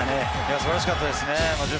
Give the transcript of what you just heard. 素晴らしかったですね。